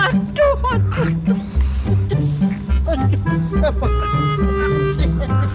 aduh aduh aduh